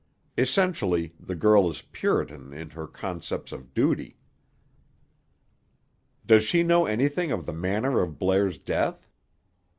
Essentially the girl is Puritan in her concepts of duty." "Does she know anything of the manner of Blair's death?"